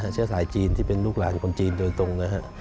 เชื้อสายจีนที่เป็นลูกหลานคนจีนโดยตรงนะฮะ